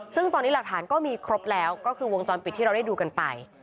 ซึ่งตอนนี้หลักฐานก็มีครบแล้วก็คือวงจรปิดที่เราได้ดูกันไป